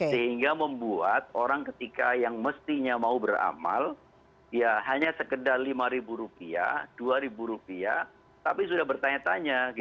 sehingga membuat orang ketika yang mestinya mau beramal ya hanya sekedar rp lima rp dua tapi sudah bertanya tanya